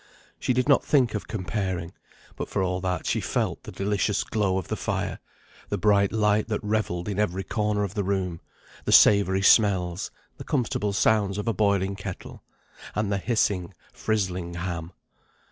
She did not think of comparing; but for all that she felt the delicious glow of the fire, the bright light that revelled in every corner of the room, the savoury smells, the comfortable sounds of a boiling kettle, and the hissing, frizzling ham.